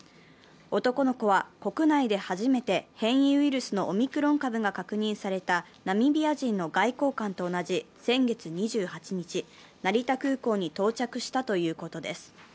男の子は国内で初めて変異ウイルスのオミクロン株が確認されたナミビア人の外交官と同じ先月２８日成田空港に到着したということです。